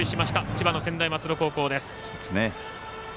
千葉の専大松戸高校です。